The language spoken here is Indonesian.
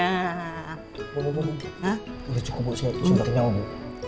bu bu bu udah cukup buat saya saya bakal nyawa bu